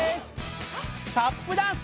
タップダンス！